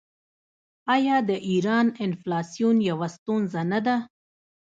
آیا د ایران انفلاسیون یوه ستونزه نه ده؟